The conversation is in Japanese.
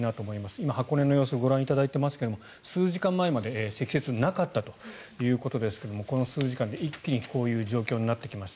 今、箱根の様子をご覧いただいていますが数時間前まで積雪なかったということですがこの数時間で一気にこういう状況になってきました。